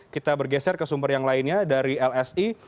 kita bergeser ke sumber yang lainnya dari lsi